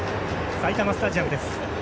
埼玉スタジアムです。